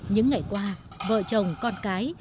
những ngày qua vợ chồng con cái